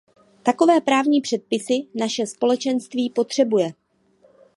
Takové právní předpisy naše Společenství potřebuje.